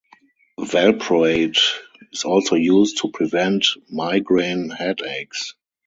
Valproate is also used to prevent migraine headaches.